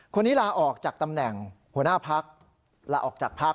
คนนี้ลาออกจากตำแหน่งหัวหน้าพักลาออกจากพัก